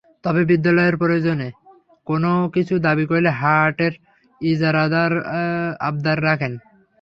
তবে বিদ্যালয়ের প্রয়োজনে কোনো কিছু দাবি করলে হাটের ইজারাদার আবদার রাখেন।